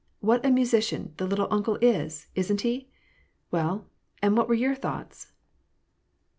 What a musician the 4ittle uncle' is! Isn't he? — Well, and what were your thoughts